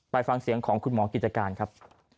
ไปฟังเสียงของคุณหมอกิจการครับ